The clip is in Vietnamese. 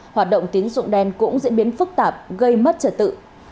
hoạt động tín dụng đen cũng diễn biến phức tạp gây mất trật tự